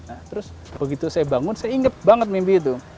nah terus begitu saya bangun saya inget banget mimpi itu